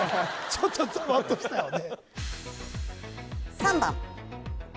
ちょっとザワッとしたよね